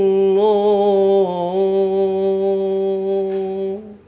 begitu caranya belanja belanja